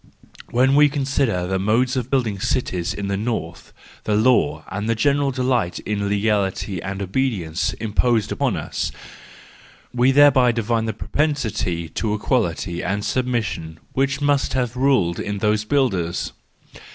When we consider the mode of building cities in the north, the law and the general delight in legality and obedience, impose upon us: we thereby divine the propensity to equality and submission which must have ruled in those builders.